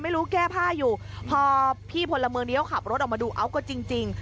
ไม่รู้แก้ผ้าอยู่พอพี่พลเมืองเดียวขับรถออกมาดูเอ้าก็จริงจริง